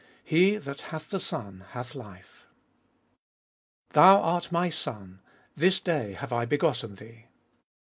He that hath the Son, hath life. Thou art My Son, this day have I begotten Thee.